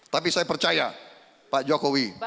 tapi saya percaya pak jokowi